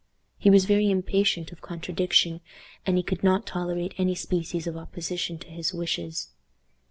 He was very impatient of contradiction, and he could not tolerate any species of opposition to his wishes.